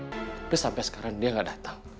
tapi sampe sekarang dia gak dateng